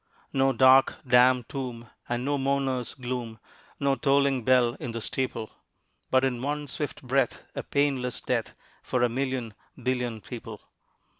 No dark, damp tomb and no mourner's gloom, No tolling bell in the steeple, But in one swift breath a painless death For a million billion people.